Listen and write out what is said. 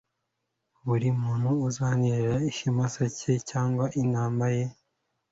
buri muntu anzanire ikimasa cye cyangwa intama ye